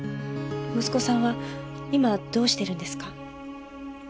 息子さんは今どうしてるんですか？